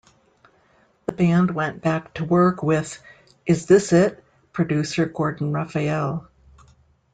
The band went back to work with "Is This It" producer Gordon Raphael.